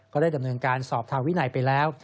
ได้ดำเนินการสอบทางวินัยไปแล้ว